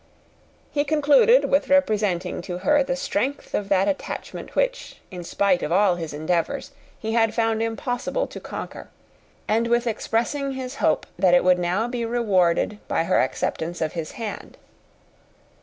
He concluded with representing to her the strength of that attachment which in spite of all his endeavours he had found impossible to conquer; and with expressing his hope that it would now be rewarded by her acceptance of his hand.